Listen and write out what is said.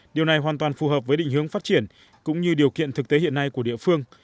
điều này hoàn toàn phù hợp với định hướng phát triển cũng như điều kiện thực tế hiện nay của địa phương